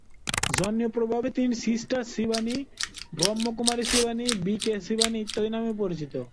জনপ্রিয়ভাবে তিনি sister Shivani, Brahma Kumari Shivani, B K Shivani ইত্যাদি নামেও পরিচিত।